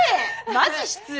マジ失礼。